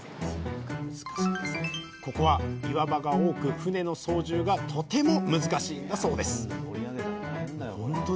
ここは岩場が多く船の操縦がとても難しいんだそうです